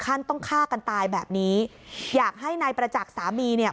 ขั้นต้องฆ่ากันตายแบบนี้อยากให้นายประจักษ์สามีเนี่ย